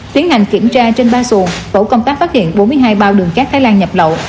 tiến hành kiểm tra trên ba xuồng tổ công tác phát hiện bốn mươi hai bao đường cát thái lan nhập lậu